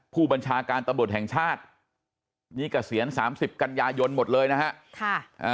ผู้บัญชาการตำรวจแห่งชาตินี่เกษียณ๓๐กันยายนหมดเลยนะฮะ